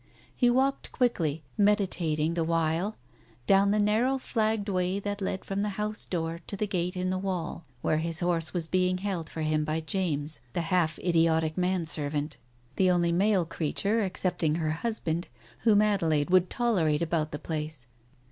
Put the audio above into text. He walked quickly, meditating the while, down the narrow flagged way that led from the house door to the gate in the wall, where his horse was being held for him by James, the half idiotic manservant; the only male creature, excepting her husband, whom Adelaide would tolerate about the place.